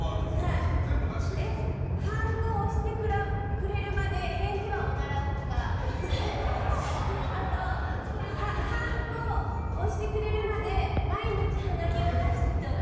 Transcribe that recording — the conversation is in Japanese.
ハンコ押してくれるまで返事はおならとかあと、ハンコ押してくれるまで毎日鼻毛を出しておく。